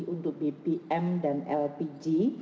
untuk bbm dan lpg